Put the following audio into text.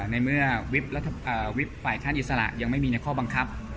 ในเมื่อวิบฝ่ายค้านอิสระยังไม่มีในข้อบังคับ